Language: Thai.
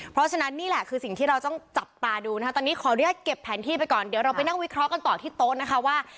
เพราะฉะนั้นนี่แหละคือสิ่งที่เราต้องจับตาดูนะคะตอนนี้ขออนุญาตเก็บแผนที่ไปก่อนเดี๋ยวเราไปนั่งวิเคราะห์กันต่อที่โต๊ะนะคะว่า